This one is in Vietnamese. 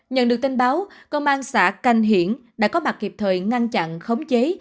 nhận được tin báo công an xã canh hiển đã có mặt kịp thời ngăn chặn khống chế